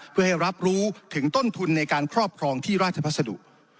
เพื่อให้รับรู้ถึงต้นทุนในการครอบครองที่ราชพัสดุ